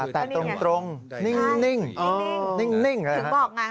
แต่ตรงนิ่งนิ่งนิ่งถึงบอกนะ